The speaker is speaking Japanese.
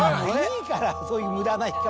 いいからそういう無駄な企画。